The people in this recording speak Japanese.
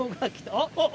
あっ！